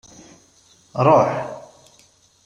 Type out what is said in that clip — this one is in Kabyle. Ruḥ!